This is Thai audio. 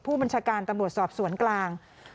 ผู้บัญชาการตำรวจสอบสวนกลาง